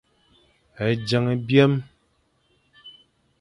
Nẑen ébyen.